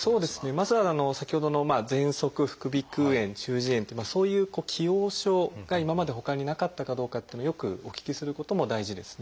まずは先ほどのぜんそく副鼻腔炎中耳炎というそういう既往症が今までほかになかったかどうかっていうのよくお聞きすることも大事ですね。